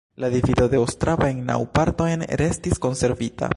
La divido de Ostrava en naŭ partojn restis konservita.